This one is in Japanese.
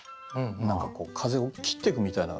何か風を切ってくみたいな。